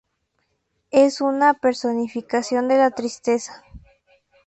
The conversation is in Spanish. Es una personificación de la tristeza.